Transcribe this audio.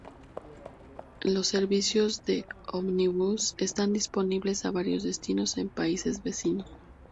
Los servicios de ómnibus están disponibles a varios destinos en países vecinos.